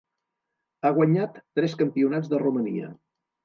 Ha guanyat tres Campionats de Romania.